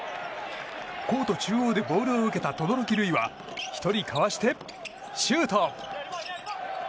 コート中央でボールを受けた轟琉維は１人かわしてシュート。